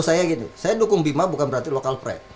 saya dukung bima bukan berarti lokal pride